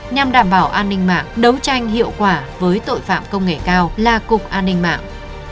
nhằm đảm bảo an ninh mạng đấu tranh hiệu quả với tội phạm công nghệ cao là cục an ninh mạng